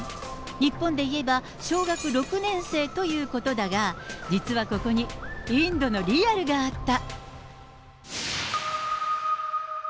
日本でいえば、小学６年生ということだが、実はここにインドのリアルがあった。